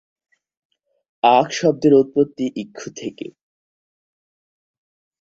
আখ শব্দের উৎপত্তি "ইক্ষু" থেকে।